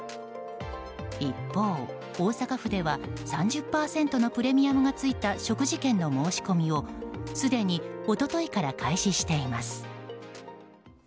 一方、大阪府では３０％のプレミアムが付いた食事券の申し込みをすでに一昨日から開始しています。